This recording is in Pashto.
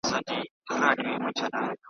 سهار ډکه هدیره سي له زلمیو شهیدانو .